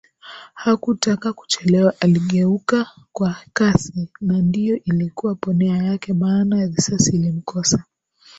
Hakutaka kuchelewa aligeuka kwa kasi na ndio ilikuwa ponea yake maana risasi ilimkosa